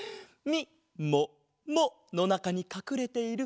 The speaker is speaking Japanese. みもものなかにかくれてる？